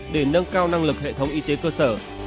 để nâng cao năng lực hệ thống y tế cơ sở